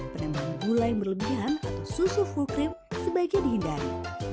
penambangan gula yang berlebihan atau susu full cream sebaiknya dihindari